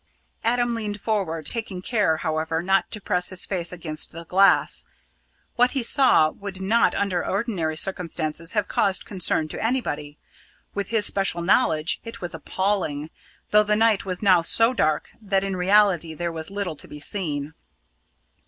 Adam leaned forward, taking care, however, not to press his face against the glass. What he saw would not under ordinary circumstances have caused concern to anybody. With his special knowledge, it was appalling though the night was now so dark that in reality there was little to be seen.